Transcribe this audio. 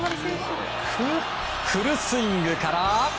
フルスイングから。